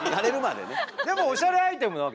でもおしゃれアイテムなわけでしょ？